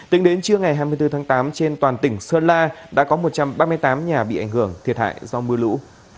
tính đến trưa ngày hai mươi bốn tháng tám trên toàn tỉnh sơn la đã có một trăm ba mươi tám nhà bị ảnh hưởng thiệt hại do mưa lũ